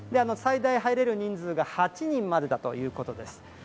最大入れる人数が８人までだということです。